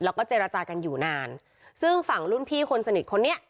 แล้วก็เจรจากันอยู่นานซึ่งฝั่งรุ่นพี่คนสนิทคนนี้